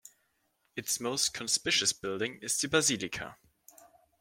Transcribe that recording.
Its most conspicuous building is the basilica.